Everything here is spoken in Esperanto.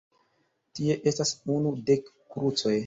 Tie estas unu-dek krucoj.